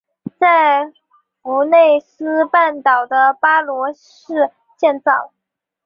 在弗内斯半岛的巴罗市建造。